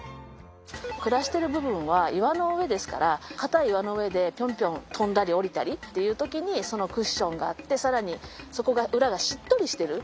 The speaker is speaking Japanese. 暮らしている部分は岩の上ですから固い岩の上でピョンピョン跳んだり下りたりっていう時にそのクッションがあって更にそこが裏がしっとりしてる。